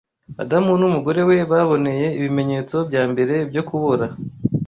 Adamu n’umugore we baboneye ibimenyetso bya mbere byo kubora